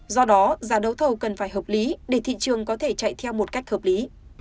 do đó giá đấu thầu cần phải hợp lý để thị trường có thể chạy theo một cách hợp lý